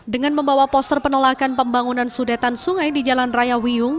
dengan membawa poster penolakan pembangunan sudetan sungai di jalan raya wiyung